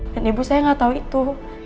dan ibu saya gak tau itu